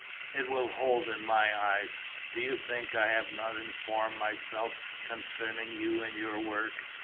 "It will hold in my eyes. Do you think I have not informed myself concerning you and your work?